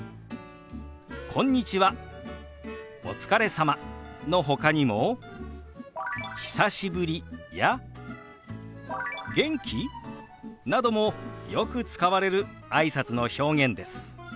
「こんにちは」「お疲れ様」のほかにも「久しぶり」や「元気？」などもよく使われるあいさつの表現です。